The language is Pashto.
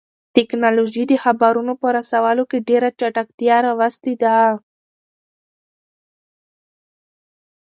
تکنالوژي د خبرونو په رسولو کې ډېر چټکتیا راوستې ده.